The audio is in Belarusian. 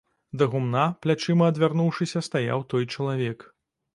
Да гумна плячыма адвярнуўшыся стаяў той чалавек.